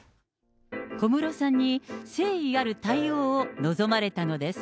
小室さんに誠意ある対応を望まれたのです。